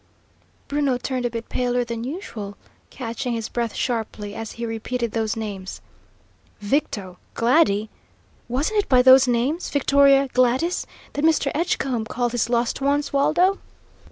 Bruno turned a bit paler than usual, catching his breath sharply, as he repeated those names: "Victo, Glady, Wasn't it by those names, Victoria, Gladys, that Mr. Edgecombe called his lost ones, Waldo?"